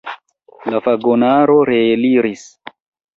La vagonaro reeliris.